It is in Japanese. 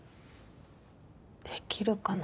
できるかな。